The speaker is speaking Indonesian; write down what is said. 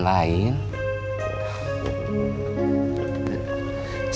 saya masih ada keperluan lain